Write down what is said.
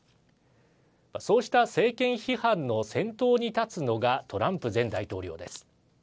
そうした政権批判の先頭に立つのがトランプ前大統領です。